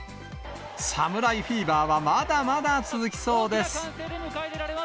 侍フィーバーはまだまだ続きそうです。